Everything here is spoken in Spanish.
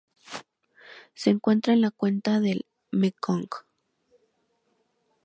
Se encuentra en la cuenca del Mekong.